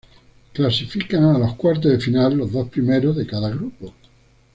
Clasifican a los cuartos de final, los dos primeros de cada grupo.